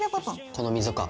この溝か。